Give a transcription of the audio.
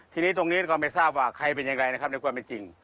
ทีนี้ตรงนี้ก็ไม่ทราบว่าใครเป็นยังไงนะครับในความเป็นจริง